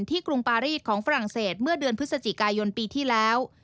กรุงปารีสของฝรั่งเศสเมื่อเดือนพฤศจิกายนปีที่แล้ว